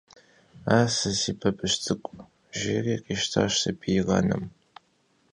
– А сэ си бабыщ цӀыкӀу, – жэри къищтащ сабийр анэм.